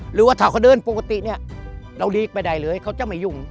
หรือว่าถ้าเขาเดินปกติเนี่ยเราลีกไปได้เลยเขาจะไม่ยุ่ง